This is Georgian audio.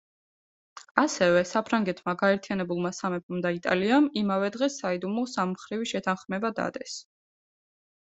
ასევე, საფრანგეთმა, გაერთიანებულმა სამეფომ და იტალიამ იმავე დღეს საიდუმლო „სამმხრივი შეთანხმება“ დადეს.